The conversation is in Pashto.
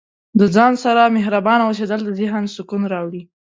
د ځان سره مهربانه اوسیدل د ذهن سکون راوړي.